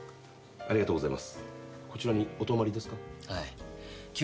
ありがとうございます。